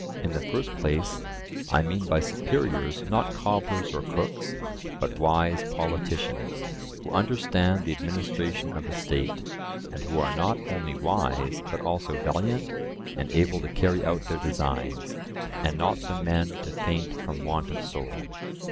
In the first place, I mean by superiors not cobblers or cooks, but wise politicians who understand the administration of a state, and who are not only wise, but also valiant and able to carry out their designs, and not the men to faint from want of soul.